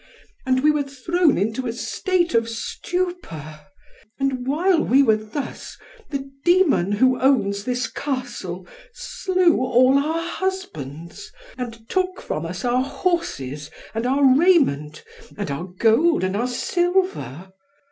And we were thrown into a state of stupor, and while we were thus, the demon who owns this Castle, slew all our husbands, and took from us our horses, and our raiment, and our gold, and our silver.